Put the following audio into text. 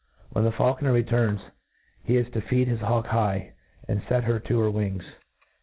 When the faulconer returns, he is to feed his hawk high, and fet her to her wings.